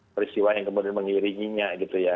peristiwa yang kemudian mengiringinya gitu ya